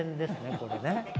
これね